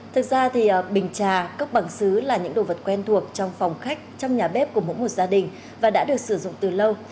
thực ra thì bình trà cấp bằng xứ là những đồ vật quen thuộc trong phòng khách trong nhà bếp của mỗi một gia đình và đã được sử dụng từ lâu